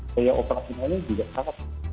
sejaya operasionalnya juga sangat mahal